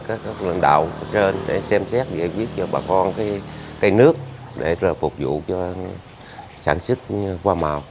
các lãnh đạo trên để xem xét giải quyết cho bà con cái nước để phục vụ cho sản xuất hoa màu